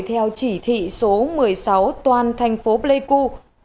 theo chỉ thị số một mươi sáu toàn tp pleiku